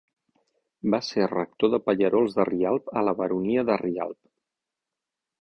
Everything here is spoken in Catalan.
Va ser rector de Pallerols de Rialb, a la Baronia de Rialb.